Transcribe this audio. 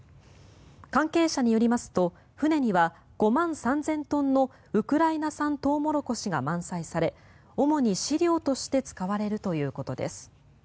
関係者によりますと船には５万３０００トンのウクライナ産トウモロコシが満載され主に飼料として使われるということです。